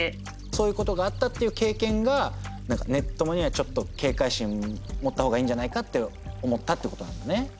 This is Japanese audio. そういうことがあったっていう経験がネッ友にはちょっとけいかい心を持ったほうがいいんじゃないかって思ったってことなんだね。